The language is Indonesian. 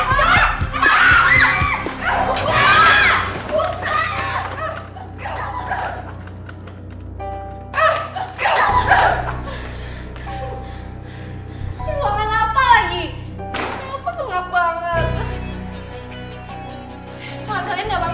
kay kay kalian di dalam